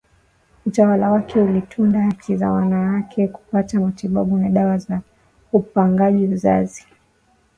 utawala wake utalinda haki ya wanawake kupata matibabu na dawa za upangaji uzazi